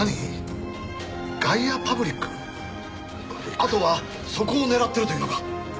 阿藤はそこを狙ってるというのか？